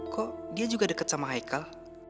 kok dia juga deket sama haikal